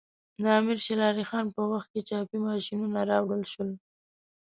د امیر شیر علی خان په وخت کې چاپي ماشینونه راوړل شول.